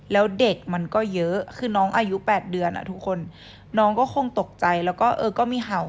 แล้วเด็กมันก็เยอะคือน้องอายุ๘เดือนทุกคนน้องก็คงตกใจแล้วก็เออก็มีเห่า